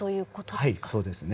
はいそうですね。